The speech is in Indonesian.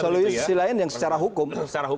solusi lain yang secara hukum